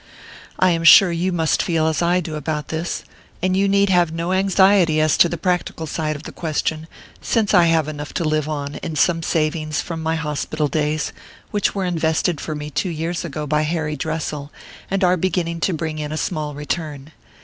I am sure you must feel as I do about this; and you need have no anxiety as to the practical side of the question, since I have enough to live on in some savings from my hospital days, which were invested for me two years ago by Harry Dressel, and are beginning to bring in a small return.